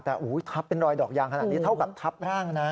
แต่ทับเป็นรอยดอกยางขนาดนี้เท่ากับทับร่างนะ